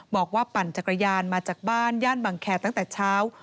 ปั่นจักรยานมาจากบ้านย่านบังแคร์ตั้งแต่เช้า